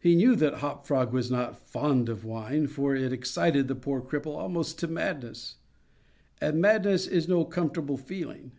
He knew that Hop Frog was not fond of wine, for it excited the poor cripple almost to madness; and madness is no comfortable feeling.